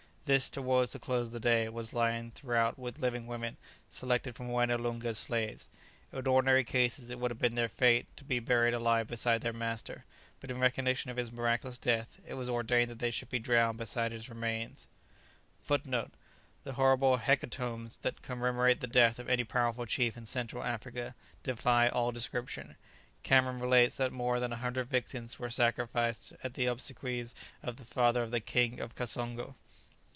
This, towards the close of the day, was lined throughout with living women, selected from Moené Loonga's slaves; in ordinary cases it would have been their fate to be buried alive beside their master; but in recognition of his miraculous death it was ordained that they should be drowned beside his remains. [Footnote 1: The horrible hecatombs that commemorate the death of any powerful chief in Central Africa defy all description. Cameron relates that more than a hundred victims were sacrificed at the obsequies of the father of the King of Kassongo.